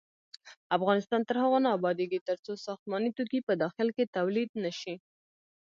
افغانستان تر هغو نه ابادیږي، ترڅو ساختماني توکي په داخل کې تولید نشي.